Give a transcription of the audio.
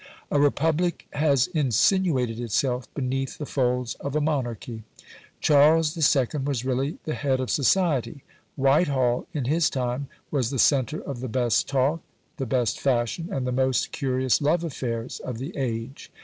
A Republic has insinuated itself beneath the folds of a Monarchy. Charles II. was really the head of society; Whitehall, in his time, was the centre of the best talk, the best fashion, and the most curious love affairs of the age.